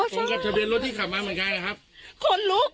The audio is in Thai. อ๋อโชคกับทะเบียนรถที่ขับมาเหมือนกันนะครับ